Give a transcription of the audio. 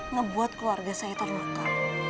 ngebuat keluarga saya terluka